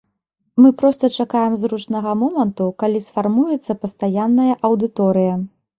Мы проста чакаем зручнага моманту, калі сфармуецца пастаянная аўдыторыя.